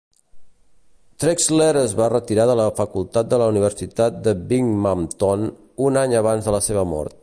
Trexler es va retirar de la facultat de la Universitat de Binghamton un any abans de la seva mort.